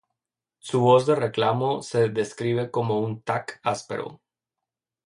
Su voz de reclamo se describe como un ""tac"" áspero.